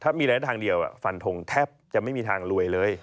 ถ้ามีระยะทางเดียวฟันทงแทบจะไม่มีทางรวยเลย